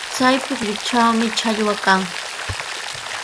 Chay pukyutrawmi challwa kan.